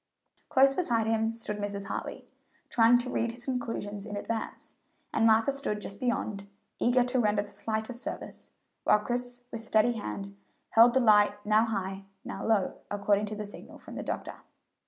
Close beside him stood Mrs. Hartley, trying to read his conclusions in advance, and Martha stood just beyond, eager to render the slightest service, while Chris, with steady hand, held the light now high, now low, according to the signal from the doctor.